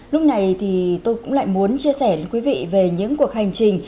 lúc này thì tôi cũng lại muốn chia sẻ đến quý vị về những cuộc hành trình